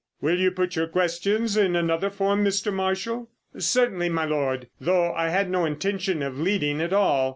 "Will you put your questions in another form, Mr. Marshall?" "Certainly, my Lord, though I had no intention of leading at all.